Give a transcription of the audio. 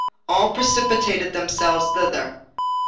All precipitated themselves thither.